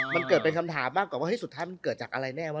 มันเกิดเป็นคำถามมากกว่าว่าสุดท้ายมันเกิดจากอะไรแน่วะ